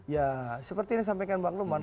ya seperti yang disampaikan bang lukman